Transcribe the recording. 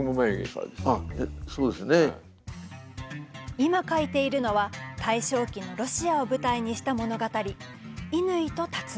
今、描いているのは大正期のロシアを舞台にした物語「乾と巽」。